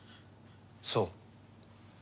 そう。